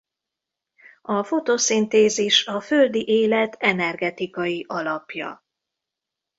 A fotoszintézis a földi élet energetikai alapja.